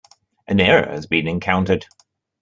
An error has been encountered.